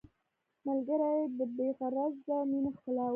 ملګری د بې غرضه مینې ښکلا وي